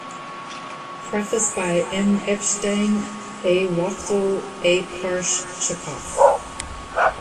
Preface by M. Epshtein, A. Wachtel, A. Parshchikov.